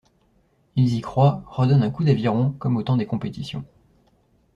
Ils y croient, redonnent un coup d’aviron comme au temps des compétitions.